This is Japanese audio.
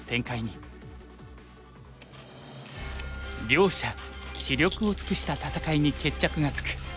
両者死力を尽くした戦いに決着がつく。